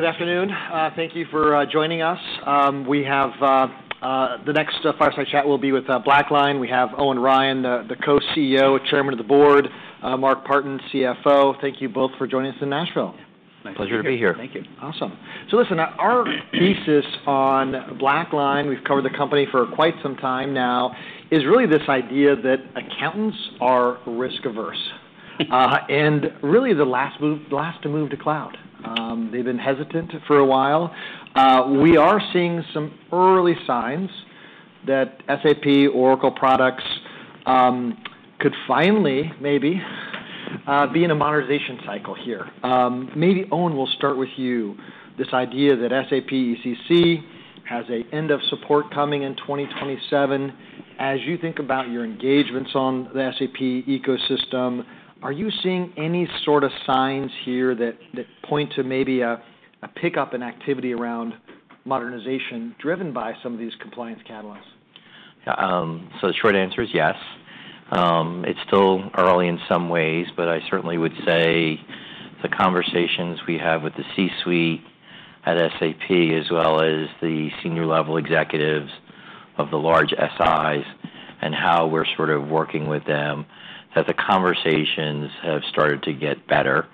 Good afternoon. Thank you for joining us. We have the next Fireside Chat will be with BlackLine. We have Owen Ryan, the co-CEO, Chairman of the Board, Mark Partin, CFO. Thank you both for joining us in Nashville. Pleasure to be here. Thank you. Awesome. So listen, our thesis on BlackLine, we've covered the company for quite some time now, is really this idea that accountants are risk-averse, and really the last to move to cloud. They've been hesitant for a while. We are seeing some early signs that SAP, Oracle products, could finally, maybe, be in a modernization cycle here. Maybe, Owen, we'll start with you. This idea that SAP ECC has an end of support coming in 2027. As you think about your engagements on the SAP ecosystem, are you seeing any sort of signs here that point to maybe a pickup in activity around modernization, driven by some of these compliance catalysts? So the short answer is yes. It's still early in some ways, but I certainly would say the conversations we have with the C-suite at SAP, as well as the senior level executives of the large SIs, and how we're sort of working with them, that the conversations have started to get better.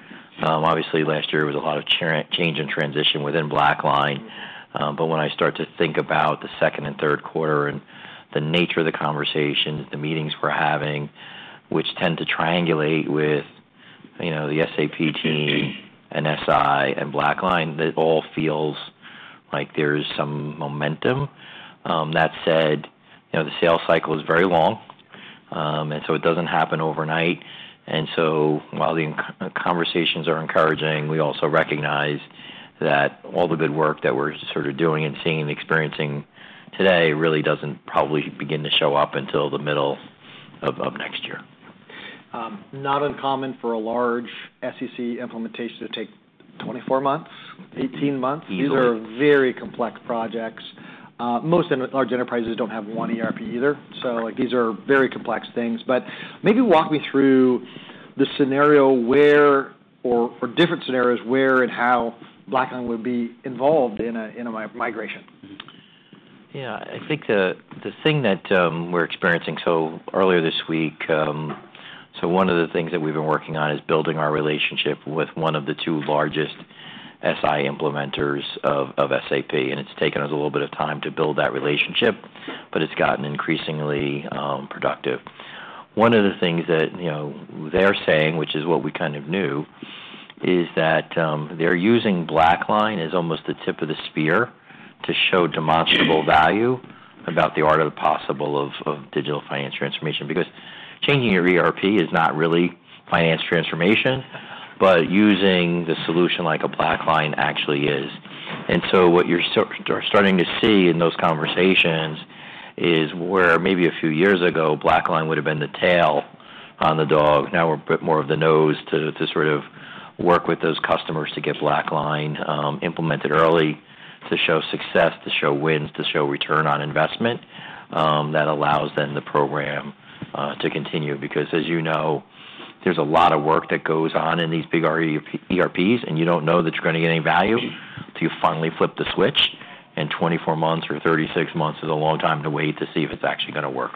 Obviously, last year was a lot of change and transition within BlackLine, but when I start to think about the second and third quarter and the nature of the conversations, the meetings we're having, which tend to triangulate with, you know, the SAP team, and SI, and BlackLine, it all feels like there's some momentum. That said, you know, the sales cycle is very long, and so it doesn't happen overnight. While the incoming conversations are encouraging, we also recognize that all the good work that we're sort of doing and seeing and experiencing today really doesn't probably begin to show up until the middle of next year. Not uncommon for a large ECC implementation to take 24 months, 18 months. Easily. These are very complex projects. Most large enterprises don't have one ERP either, so these are very complex things. But maybe walk me through the scenario where... or different scenarios, where and how BlackLine would be involved in a migration. Yeah. I think the thing that we're experiencing so earlier this week, so one of the things that we've been working on is building our relationship with one of the two largest SI implementers of SAP, and it's taken us a little bit of time to build that relationship, but it's gotten increasingly productive. One of the things that, you know, they're saying, which is what we kind of knew, is that they're using BlackLine as almost the tip of the spear to show demonstrable value about the art of the possible of digital finance transformation. Because changing your ERP is not really finance transformation, but using the solution like a BlackLine actually is. And so what you're starting to see in those conversations is where maybe a few years ago, BlackLine would have been the tail on the dog. Now we're a bit more of the nose to, to sort of work with those customers to get BlackLine implemented early, to show success, to show wins, to show return on investment, that allows then the program to continue. Because, as you know, there's a lot of work that goes on in these big ERPs, and you don't know that you're gonna get any value till you finally flip the switch, and 24 months or 36 months is a long time to wait to see if it's actually gonna work.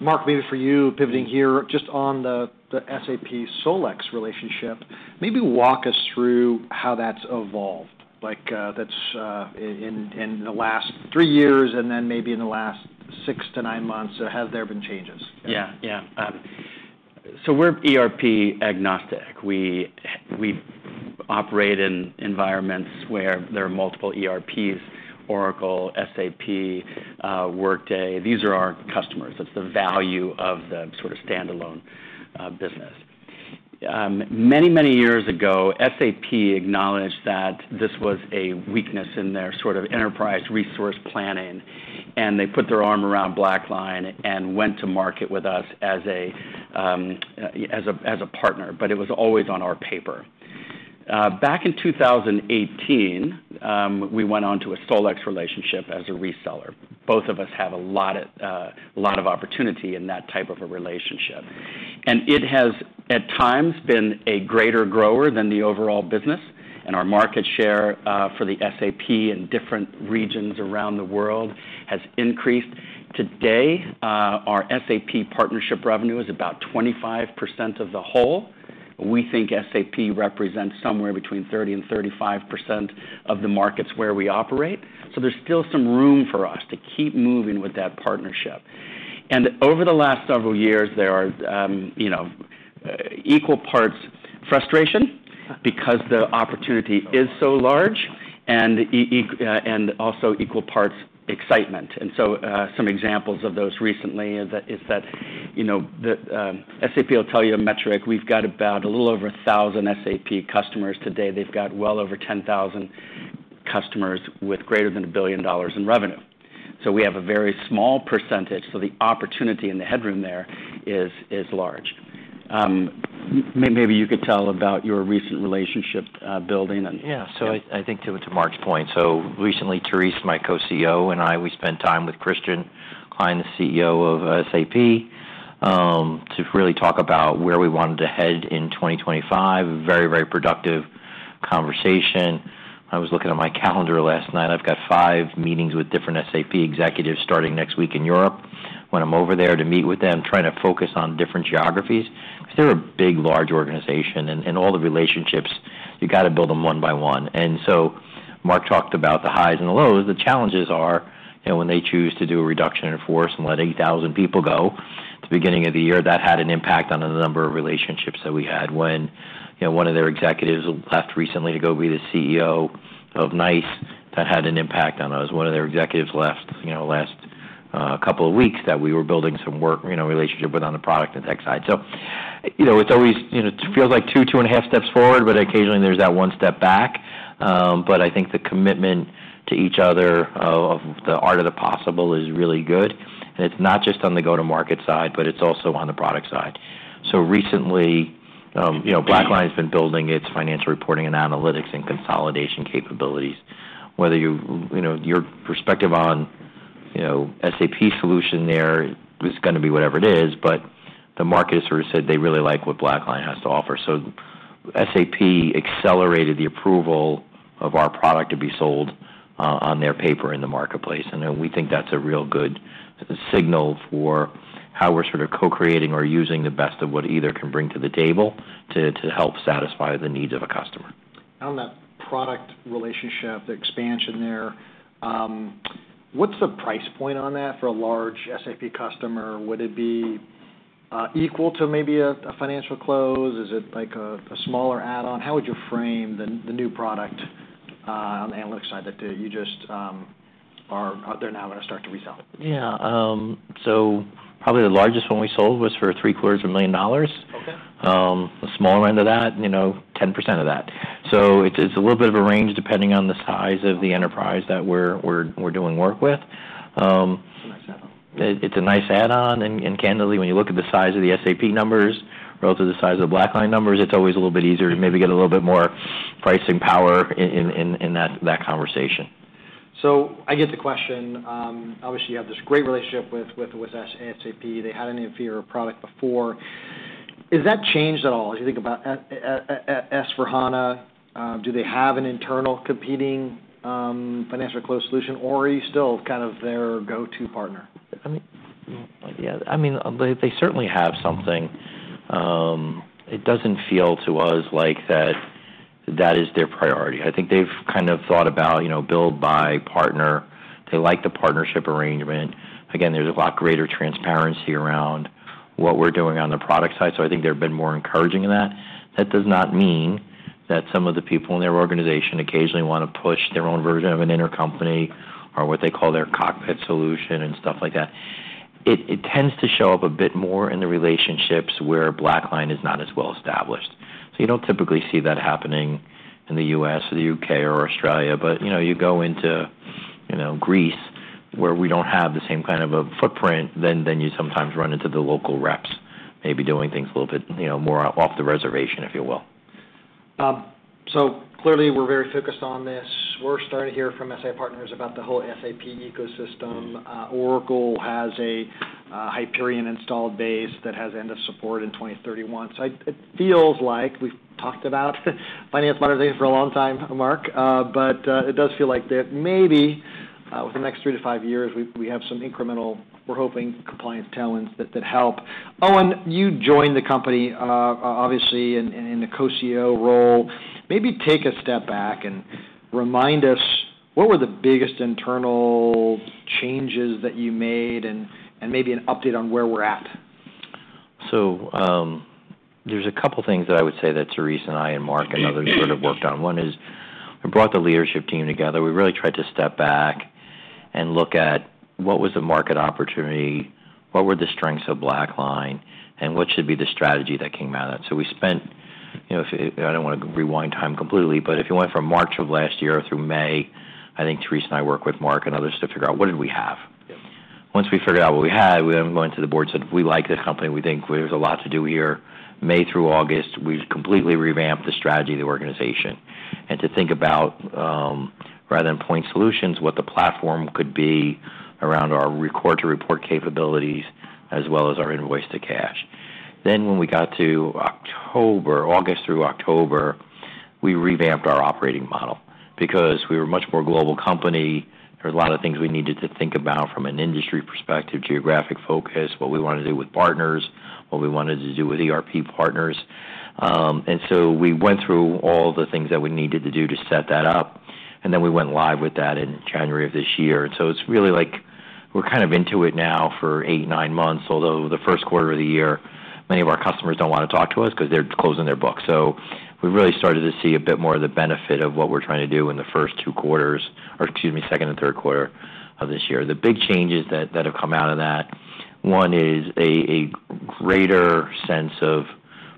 Mark, maybe for you, pivoting here, just on the SAP SolEx relationship, maybe walk us through how that's evolved. Like, that's in the last three years, and then maybe in the last six to nine months, have there been changes? Yeah, yeah. So we're ERP-agnostic. We operate in environments where there are multiple ERPs, Oracle, SAP, Workday. These are our customers. That's the value of the sort of standalone business. Many, many years ago, SAP acknowledged that this was a weakness in their sort of enterprise resource planning, and they put their arm around BlackLine and went to market with us as a partner, but it was always on our paper. Back in 2018, we went on to a SolEx relationship as a reseller. Both of us have a lot of opportunity in that type of a relationship. And it has, at times, been a greater grower than the overall business, and our market share for the SAP in different regions around the world has increased. Today, our SAP partnership revenue is about 25% of the whole. We think SAP represents somewhere between 30% and 35% of the markets where we operate. So there's still some room for us to keep moving with that partnership. And over the last several years, there are, you know, equal parts frustration, because the opportunity is so large, and also equal parts excitement. And so, some examples of those recently is that, you know, the, SAP will tell you a metric. We've got about a little over 1,000 SAP customers today. They've got well over 10,000 customers with greater than $1 billion in revenue. So we have a very small percentage, so the opportunity and the headroom there is, is large. Maybe you could tell about your recent relationship building and- Yeah, so I think to Mark's point, recently, Therese, my co-CEO, and I, we spent time with Christian Klein, the CEO of SAP, to really talk about where we wanted to head in 2025. Very, very productive conversation. I was looking at my calendar last night. I've got five meetings with different SAP executives starting next week in Europe. When I'm over there to meet with them, trying to focus on different geographies, 'cause they're a big, large organization, and all the relationships, you got to build them one by one, so Mark talked about the highs and the lows. The challenges are, you know, when they choose to do a reduction in force and let 8,000 people go at the beginning of the year, that had an impact on a number of relationships that we had. When, you know, one of their executives left recently to go be the CEO of NICE, that had an impact on us. One of their executives left, you know, last couple of weeks that we were building some work, you know, relationship with on the product and tech side. So, you know, it's always, you know, it feels like two, two and a half steps forward, but occasionally there's that one step back. But I think the commitment to each other of the art of the possible is really good. And it's not just on the go-to-market side, but it's also on the product side. So recently, you know, BlackLine's been building its financial reporting and analytics and consolidation capabilities. Whether you know, your perspective on, you know, SAP solution there is gonna be whatever it is, but the market has sort of said they really like what BlackLine has to offer. So SAP accelerated the approval of our product to be sold on their paper in the marketplace, and we think that's a real good signal for how we're sort of co-creating or using the best of what either can bring to the table to help satisfy the needs of a customer. On that product relationship, the expansion there, what's the price point on that for a large SAP customer? Would it be equal to maybe a financial close? Is it like a smaller add-on? How would you frame the new product on the analytics side that you just they're now gonna start to resell? Yeah. So probably the largest one we sold was for $750,000. Okay. The smaller end of that, you know, 10% of that. So it is a little bit of a range, depending on the size of the enterprise that we're doing work with. It's a nice add-on. It's a nice add-on, and candidly, when you look at the size of the SAP numbers relative to the size of the BlackLine numbers, it's always a little bit easier to maybe get a little bit more pricing power in that conversation. So I get the question, obviously, you have this great relationship with SAP. They had an inferior product before. Has that changed at all as you think about S/4HANA? Do they have an internal competing financial close solution, or are you still kind of their go-to partner? I mean, yeah. I mean, they certainly have something. It doesn't feel to us like that is their priority. I think they've kind of thought about, you know, build, buy, partner. They like the partnership arrangement. Again, there's a lot greater transparency around what we're doing on the product side, so I think they've been more encouraging in that. That does not mean that some of the people in their organization occasionally wanna push their own version of an intercompany or what they call their cockpit solution and stuff like that. It tends to show up a bit more in the relationships where BlackLine is not as well established. You don't typically see that happening in the U.S., or the U.K., or Australia, but, you know, you go into, you know, Greece, where we don't have the same kind of a footprint, then you sometimes run into the local reps, maybe doing things a little bit, you know, more off the reservation, if you will. So clearly, we're very focused on this. We're starting to hear from SAP partners about the whole SAP ecosystem. Mm-hmm. Oracle has a Hyperion installed base that has end of support in 2031. So it feels like we've talked about finance modernization for a long time, Mark, but it does feel like that maybe within the next three to five years, we have some incremental, we're hoping, compliance tailwinds that help. Owen, you joined the company obviously in the co-CEO role. Maybe take a step back and remind us, what were the biggest internal changes that you made, and maybe an update on where we're at? So, there's a couple things that I would say that Therese and I, and Mark, and others sort of worked on. One is, we brought the leadership team together. We really tried to step back and look at what was the market opportunity, what were the strengths of BlackLine, and what should be the strategy that came out of that? So we spent, you know, if... I don't wanna rewind time completely, but if you went from March of last year through May, I think Therese and I worked with Mark and others to figure out, what did we have? Yep. Once we figured out what we had, we then went to the board and said, "We like this company. We think there's a lot to do here." May through August, we completely revamped the strategy of the organization, and to think about, rather than point solutions, what the platform could be around our record to report capabilities, as well as our invoice to cash. Then, when we got to October, August through October, we revamped our operating model because we were a much more global company. There were a lot of things we needed to think about from an industry perspective, geographic focus, what we wanted to do with partners, what we wanted to do with ERP partners. And so we went through all the things that we needed to do to set that up, and then we went live with that in January of this year. And so it's really like we're kind of into it now for eight, nine months, although the first quarter of the year, many of our customers don't want to talk to us because they're closing their books. So we really started to see a bit more of the benefit of what we're trying to do in the first two quarters, or excuse me, second and third quarter of this year. The big changes that have come out of that, one is a greater sense of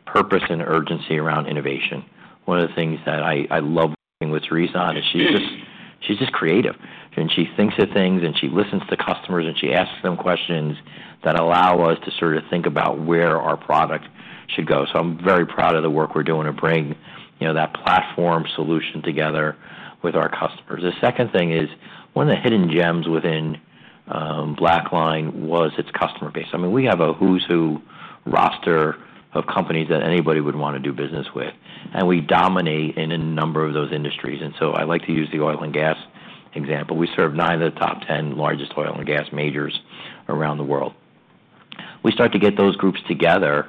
purpose and urgency around innovation. One of the things that I love working with Therese on is she's just creative, and she thinks of things, and she listens to customers, and she asks them questions that allow us to sort of think about where our product should go. So I'm very proud of the work we're doing to bring, you know, that platform solution together with our customers. The second thing is, one of the hidden gems within BlackLine was its customer base. I mean, we have a who's who roster of companies that anybody would wanna do business with, and we dominate in a number of those industries. And so I like to use the oil and gas example. We serve nine of the top ten largest oil and gas majors around the world. We start to get those groups together,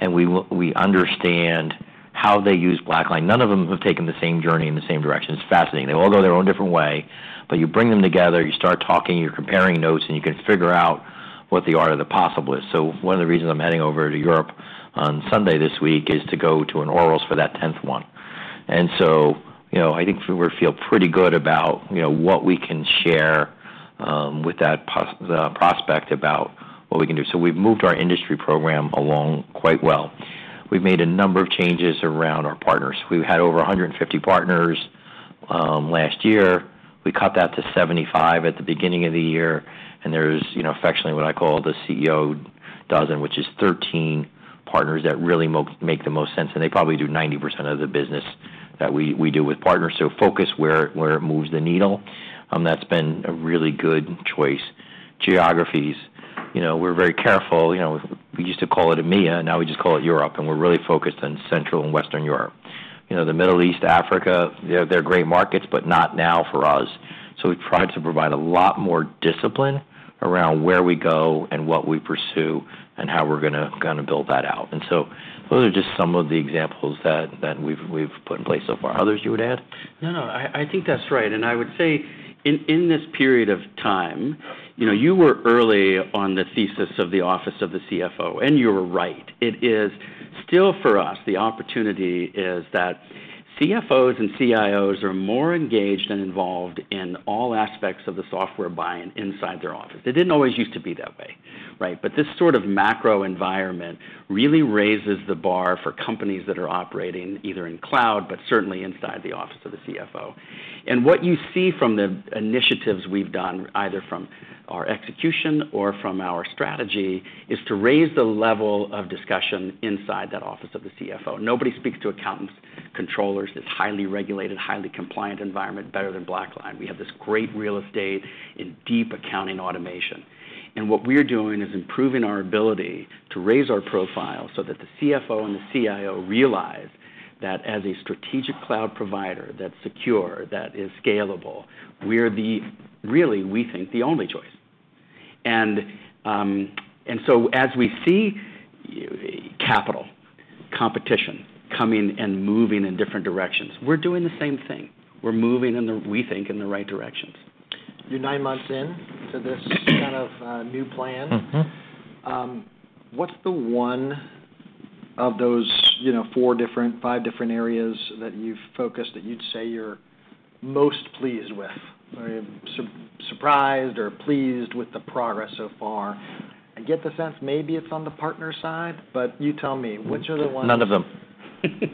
and we understand how they use BlackLine. None of them have taken the same journey in the same direction. It's fascinating. They all go their own different way, but you bring them together, you start talking, you're comparing notes, and you can figure out what the art of the possible is. So one of the reasons I'm heading over to Europe on Sunday this week is to go to an orals for that tenth one. And so, you know, I think we feel pretty good about, you know, what we can share with that prospect about what we can do. So we've moved our industry program along quite well. We've made a number of changes around our partners. We've had over 150 partners last year. We cut that to 75 at the beginning of the year, and there's, you know, affectionately, what I call the CEO dozen, which is 13 partners that really make the most sense, and they probably do 90% of the business that we do with partners. So focus where it moves the needle, that's been a really good choice. Geographies, you know, we're very careful, you know, we used to call it EMEA, now we just call it Europe, and we're really focused on Central and Western Europe. You know, the Middle East, Africa, they're great markets, but not now for us. So we've tried to provide a lot more discipline around where we go and what we pursue and how we're gonna build that out. And so those are just some of the examples that we've put in place so far. Others you would add? No, no, I think that's right, and I would say in this period of time, you know, you were early on the thesis of the office of the CFO, and you were right. It is still for us, the opportunity is that CFOs and CIOs are more engaged and involved in all aspects of the software buying inside their office. It didn't always used to be that way, right, but this sort of macro environment really raises the bar for companies that are operating either in cloud, but certainly inside the office of the CFO. And what you see from the initiatives we've done, either from our execution or from our strategy, is to raise the level of discussion inside that office of the CFO. Nobody speaks to accountants, controllers, this highly regulated, highly compliant environment better than BlackLine. We have this great real estate in deep accounting automation. And what we're doing is improving our ability to raise our profile so that the CFO and the CIO realize that as a strategic cloud provider that's secure, that is scalable, we're the... Really, we think, the only choice. And, and so as we see capital, competition coming and moving in different directions, we're doing the same thing. We're moving in the, we think, in the right directions. You're nine months in to this kind of new plan. Mm-hmm. What's the one of those, you know, four different, five different areas that you've focused that you'd say you're most pleased with? I mean, surprised or pleased with the progress so far. I get the sense maybe it's on the partner side, but you tell me, which are the ones- None of them.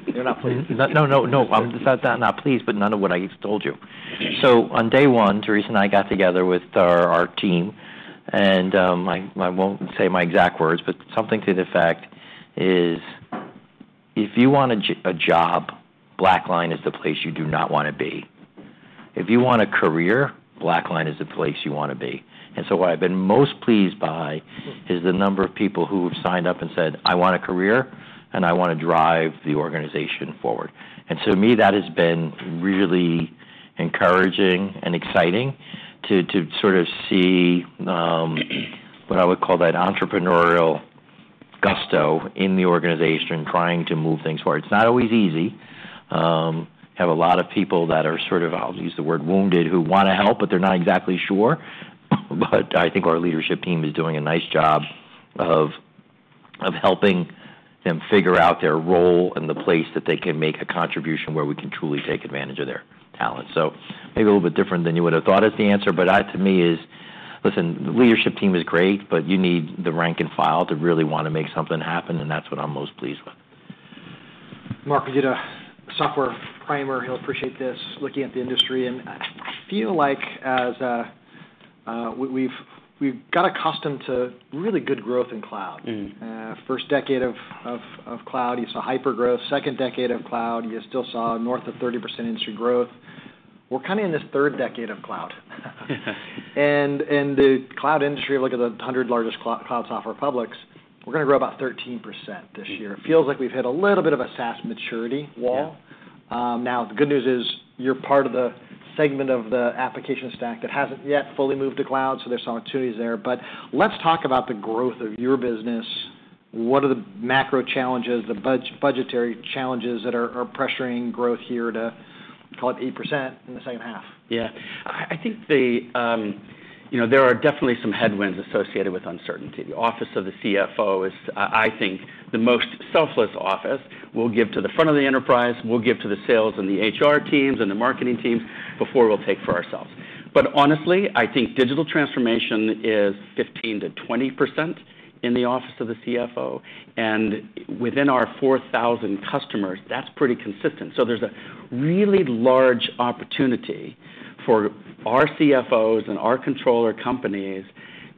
You're not pleased? No, no, no, I'm not pleased, but none of what I just told you. So on day one, Therese and I got together with our team, and I won't say my exact words, but something to the effect is: If you want a job, BlackLine is the place you do not wanna be. If you want a career, BlackLine is the place you wanna be. And so what I've been most pleased by is the number of people who have signed up and said, "I want a career, and I wanna drive the organization forward." And so to me, that has been really encouraging and exciting to sort of see what I would call that entrepreneurial gusto in the organization, trying to move things forward. It's not always easy. Have a lot of people that are sort of, I'll use the word wounded, who wanna help, but they're not exactly sure. But I think our leadership team is doing a nice job of helping them figure out their role and the place that they can make a contribution where we can truly take advantage of their talent. So maybe a little bit different than you would have thought as the answer, but to me is... Listen, the leadership team is great, but you need the rank and file to really wanna make something happen, and that's what I'm most pleased with. Mark, you did a software primer. He'll appreciate this, looking at the industry, and I feel like as we've got accustomed to really good growth in cloud. Mm. First decade of cloud, you saw hypergrowth. Second decade of cloud, you still saw north of 30% industry growth. We're kinda in this third decade of cloud. The cloud industry, look at the 100 largest cloud software publics, we're gonna grow about 13% this year. Mm. It feels like we've hit a little bit of a SaaS maturity wall. Yeah. Now, the good news is, you're part of the segment of the application stack that hasn't yet fully moved to cloud, so there's some opportunities there. But let's talk about the growth of your business. What are the macro challenges, the budgetary challenges that are pressuring growth here to call it 8% in the second half? Yeah. I think, you know, there are definitely some headwinds associated with uncertainty. The office of the CFO is, I think, the most selfless office. We'll give to the front of the enterprise, we'll give to the sales and the HR teams and the marketing teams before we'll take for ourselves, but honestly, I think digital transformation is 15%-20% in the office of the CFO, and within our 4,000 customers, that's pretty consistent, so there's a really large opportunity for our CFOs and our controller companies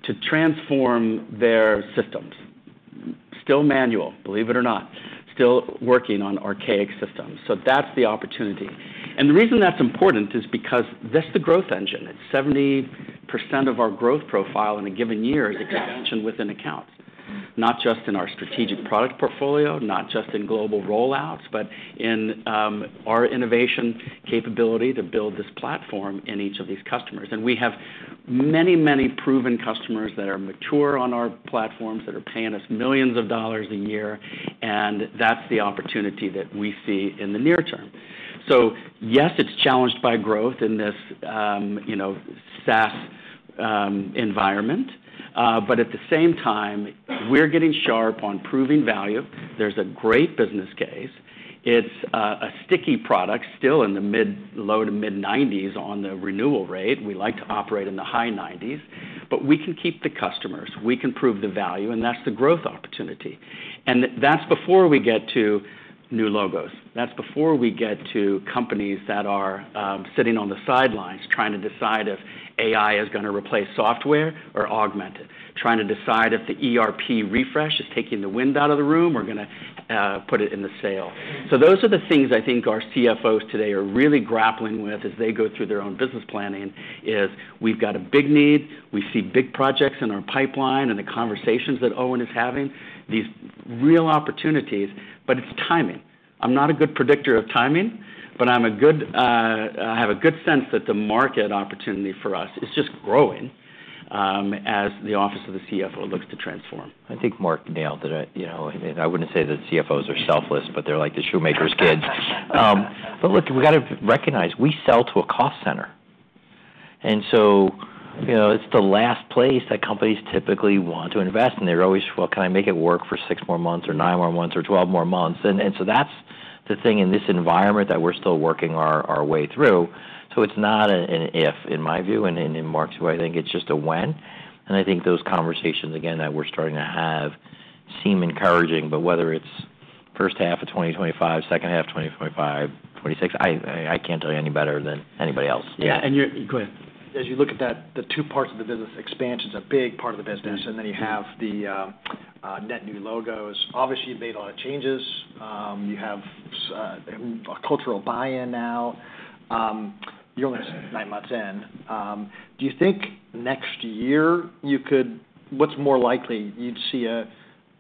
to transform their systems, still manual, believe it or not, still working on archaic systems. So that's the opportunity, and the reason that's important is because that's the growth engine. It's 70% of our growth profile in a given year is expansion within accounts, not just in our strategic product portfolio, not just in global rollouts, but in our innovation capability to build this platform in each of these customers. And we have many, many proven customers that are mature on our platforms, that are paying us millions of dollars a year, and that's the opportunity that we see in the near term. So yes, it's challenged by growth in this SaaS environment, but at the same time, we're getting sharp on proving value. There's a great business case. It's a sticky product, still in the low- to mid-90s on the renewal rate. We like to operate in the high 90s, but we can keep the customers. We can prove the value, and that's the growth opportunity. And that's before we get to new logos. That's before we get to companies that are sitting on the sidelines trying to decide if AI is gonna replace software or augment it. Trying to decide if the ERP refresh is taking the wind out of the sails or gonna put it in the sails. So those are the things I think our CFOs today are really grappling with as they go through their own business planning, is we've got a big need, we see big projects in our pipeline and the conversations that Owen is having, these real opportunities, but it's timing. I'm not a good predictor of timing, but I'm a good, I have a good sense that the market opportunity for us is just growing, as the office of the CFO looks to transform. I think Mark nailed it. You know, and I wouldn't say that CFOs are selfless, but they're like the shoemaker's kids. But look, we've got to recognize, we sell to a cost center, and so, you know, it's the last place that companies typically want to invest, and they're always, "Well, can I make it work for six more months or nine more months or 12 more months?" And so that's the thing in this environment that we're still working our way through. So it's not an if, in my view, and in Mark's view, I think it's just a when. And I think those conversations, again, that we're starting to have seem encouraging, but whether it's first half of 2025, second half of 2025, 2026, I can't tell you any better than anybody else. Yeah, and you're... Go ahead. As you look at that, the two parts of the business, expansion's a big part of the business, and then you have the net new logos. Obviously, you've made a lot of changes. You have a cultural buy-in now. You're almost nine months in. Do you think next year you could-- what's more likely, you'd see a,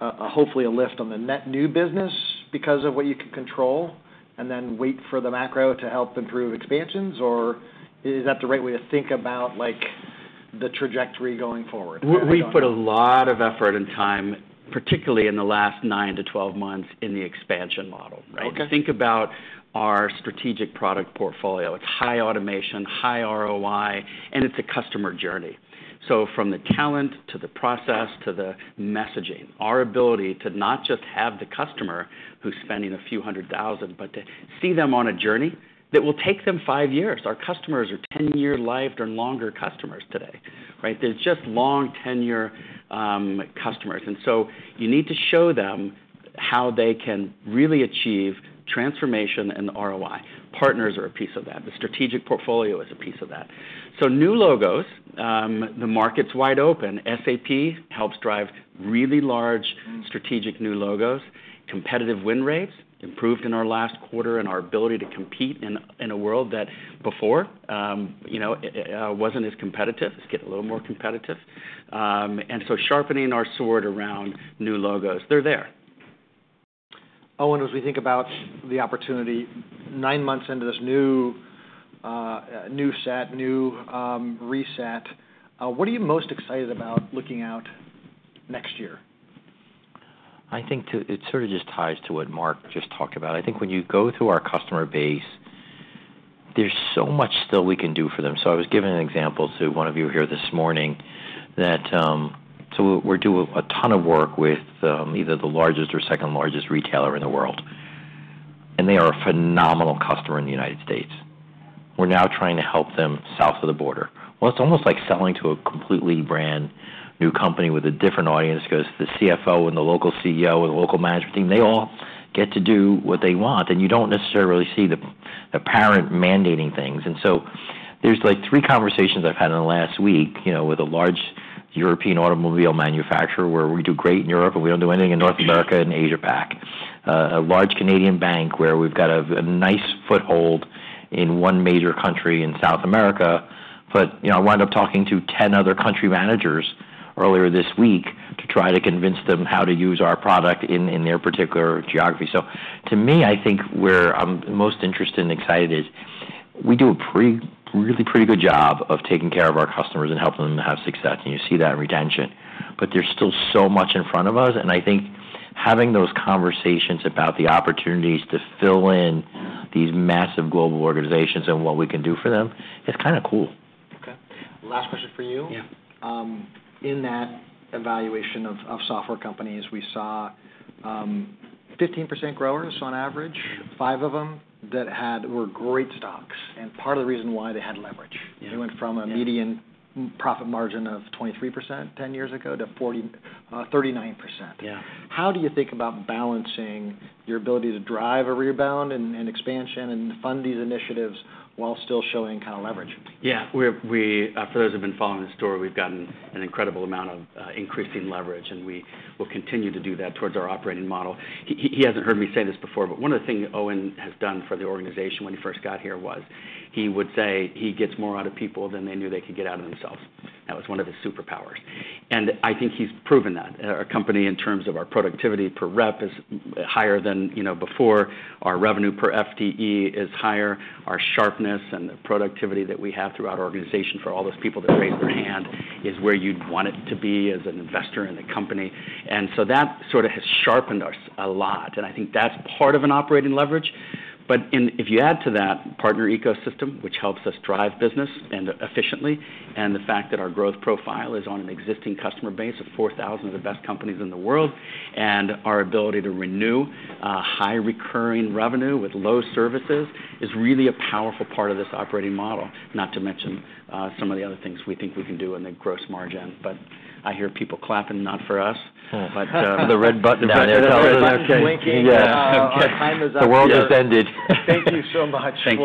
a, hopefully, a lift on the net new business because of what you can control, and then wait for the macro to help improve expansions, or is that the right way to think about, like, the trajectory going forward? We put a lot of effort and time, particularly in the last 9-12 months, in the expansion model, right? Okay. Think about our strategic product portfolio. It's high automation, high ROI, and it's a customer journey. So from the talent to the process to the messaging, our ability to not just have the customer who's spending a few hundred thousand, but to see them on a journey that will take them five years. Our customers are ten-year-lifed and longer customers today, right? They're just long tenure, customers. And so you need to show them how they can really achieve transformation and ROI. Partners are a piece of that. The strategic portfolio is a piece of that. So new logos, the market's wide open. SAP helps drive really large strategic new logos, competitive win rates, improved in our last quarter, and our ability to compete in a world that before wasn't as competitive. It's getting a little more competitive. And so, sharpening our sword around new logos, they're there. Owen, as we think about the opportunity, nine months into this new set, reset, what are you most excited about looking out next year? I think it sort of just ties to what Mark just talked about. I think when you go through our customer base, there's so much still we can do for them, so I was giving an example to one of you here this morning that, so we're doing a ton of work with either the largest or second largest retailer in the world, and they are a phenomenal customer in the United States. We're now trying to help them south of the border, well, it's almost like selling to a completely brand new company with a different audience, because the CFO and the local CEO and the local management team, they all get to do what they want, and you don't necessarily see the parent mandating things. And so there's, like, three conversations I've had in the last week, you know, with a large European automobile manufacturer, where we do great in Europe, but we don't do anything in North America and Asia Pac. A large Canadian bank, where we've got a nice foothold in one major country in South America, but, you know, I wound up talking to 10 other country managers earlier this week to try to convince them how to use our product in their particular geography. So to me, I think where I'm most interested and excited is we do a really pretty good job of taking care of our customers and helping them to have success, and you see that in retention. But there's still so much in front of us, and I think having those conversations about the opportunities to fill in these massive global organizations and what we can do for them. It's kind of cool. Okay. Last question for you. Yeah. In that evaluation of software companies, we saw 15% growers on average, five of them that were great stocks, and part of the reason why they had leverage. Yeah. They went from a median profit margin of 23% 10 years ago to 39%. Yeah. How do you think about balancing your ability to drive a rebound and expansion and fund these initiatives while still showing kind of leverage? Yeah. We're for those who have been following the story, we've gotten an incredible amount of increasing leverage, and we will continue to do that towards our operating model. He hasn't heard me say this before, but one of the things Owen has done for the organization when he first got here was, he would say he gets more out of people than they knew they could get out of themselves. That was one of his superpowers, and I think he's proven that. Our company, in terms of our productivity per rep, is higher than, you know, before. Our revenue per FTE is higher. Our sharpness and the productivity that we have throughout our organization for all those people that raised their hand, is where you'd want it to be as an investor in the company. And so that sort of has sharpened us a lot, and I think that's part of an operating leverage. But if you add to that partner ecosystem, which helps us drive business and efficiently, and the fact that our growth profile is on an existing customer base of four thousand of the best companies in the world, and our ability to renew high recurring revenue with low services, is really a powerful part of this operating model. Not to mention some of the other things we think we can do in the gross margin. But I hear people clapping, not for us, but. The red button down there. The red button is blinking. Yeah. Okay. Our time is up. The world has ended. Thank you so much. Thank you.